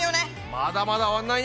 まだまだ終わんないね！